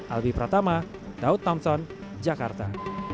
albi pratama daud thompson jakarta